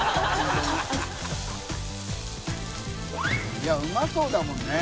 いやうまそうだもんね。